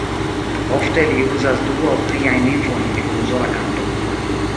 Ofte li uzas du aŭ pliajn lingvojn en unusola kanto.